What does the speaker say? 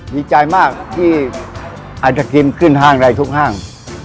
ดีใจมากที่กินขึ้นทางเลยทุกทาง